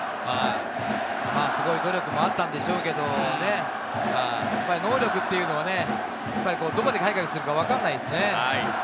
まあ、すごい努力もあったんだと思いますけど、能力というのは、どこで開花するのかわからないですね。